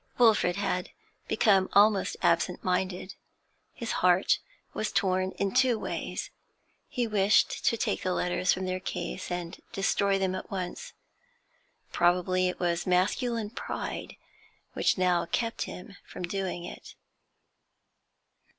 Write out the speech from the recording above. Wilfrid had become almost absent minded. His heart was torn in two ways. He wished to take the letters from their case and destroy them at once; probably it was masculine pride which now kept him from doing it.